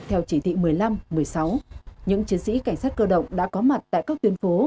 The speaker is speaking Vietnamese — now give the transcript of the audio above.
theo chỉ thị một mươi năm một mươi sáu những chiến sĩ cảnh sát cơ động đã có mặt tại các tuyến phố